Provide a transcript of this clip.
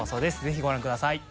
爾ご覧ください。